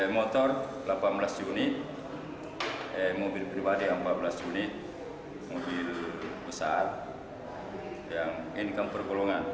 motor delapan belas unit mobil pribadi empat belas unit mobil besar yang income per golongan